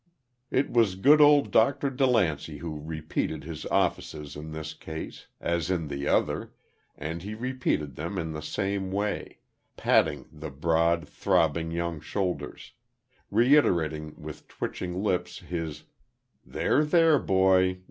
It was good old Dr. DeLancey who repeated his offices in this case, as in the other; and he repeated them in the same way, patting the broad, throbbing young shoulders reiterating with twitching lips, his "There, there, boy!